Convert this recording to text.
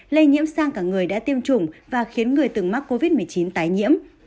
lây nhiễm sang cả người đã tiêm chủng và khiến người từng mắc covid một mươi chín tái nhiễm